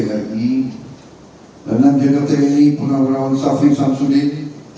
lieutenant general tni penagrawan safi samsudik